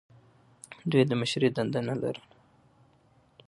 دوی یې د مشرۍ دنده نه لرله.